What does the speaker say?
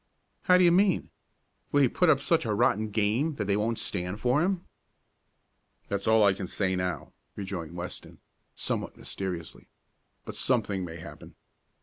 "How do you mean? Will he put up such a rotten game that they won't stand for him?" "That's all I can say now," rejoined Weston, somewhat mysteriously. "But something may happen."